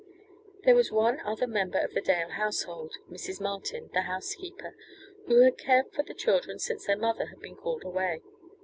There was one other member of the Dale household, Mrs. Martin, the housekeeper, who had cared for the children since their mother had been called away.